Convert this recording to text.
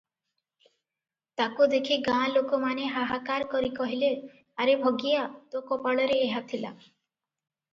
ତାକୁ ଦେଖି ଗାଁ ଲୋକମାନେ ହାହାକାର କରି କହିଲେ, "ଆରେ ଭଗିଆ, ତୋ କପାଳରେ ଏହା ଥିଲା ।"